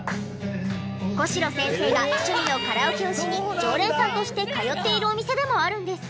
小代先生が趣味のカラオケをしに常連さんとして通っているお店でもあるんです。